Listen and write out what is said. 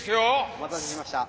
お待たせしました。